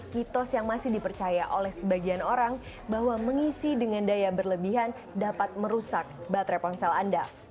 mitos yang masih dipercaya oleh sebagian orang bahwa mengisi dengan daya berlebihan dapat merusak baterai ponsel anda